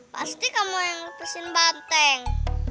pasti kamu yang ngurusin banteng